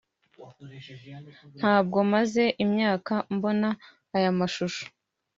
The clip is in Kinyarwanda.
ntabwo maze imyaka mbona aya mashusho